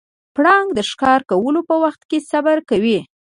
پړانګ د ښکار کولو په وخت کې صبر کوي.